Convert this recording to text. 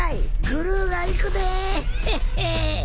グルーが行くで！